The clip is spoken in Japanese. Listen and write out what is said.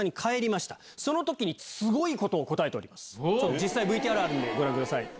実際ＶＴＲあるんでご覧ください。